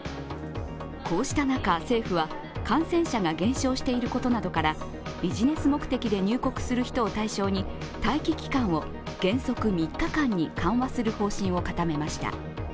こうした中、政府は感染者が減少していることなどからビジネス目的で入国する人を対象に待機期間を原則３日間に緩和する方針を固めました。